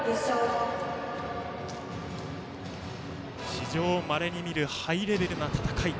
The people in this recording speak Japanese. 史上まれに見るハイレベルな戦い。